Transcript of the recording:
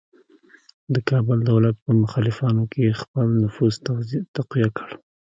د کابل دولت په مخالفانو کې خپل نفوذ تقویه کړ.